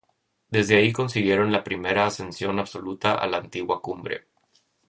Desde ahí consiguieron la primera ascensión absoluta a la antigua cumbre.